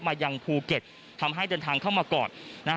ยังภูเก็ตทำให้เดินทางเข้ามาก่อน